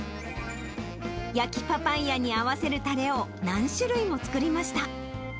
焼きパパイヤに合わせるたれを何種類も作りました。